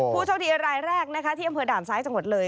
ผู้โชคดีรายแรกนะคะที่อำเภอด่านซ้ายจังหวัดเลย